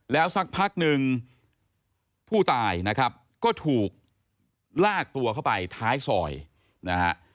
แล้วสักพักหนึ่งผู้ตายนะครับก็ถูกลากตัวเข้าไปท้ายซอยนะฮะ